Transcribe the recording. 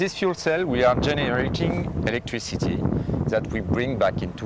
dengan sel perairan ini kita menghasilkan elektrisitas yang kita bawa ke dalam sistem kita